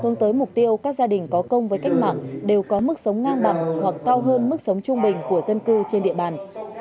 người có công với cách mạng đều có mức sống ngang bằng hoặc cao hơn mức sống trung bình của dân cư trên địa bàn